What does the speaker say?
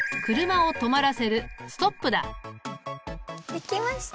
できました！